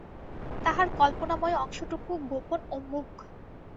তাহার কল্পনাময় অংশটুকু গোপন ও মূক।